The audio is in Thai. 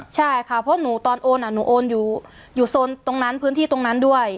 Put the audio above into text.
ใช่ค่ะเพราะหนูตอนโอนหนูโอนอยู่โซนตรงนั้นพื้นที่ตรงนั้นด้วย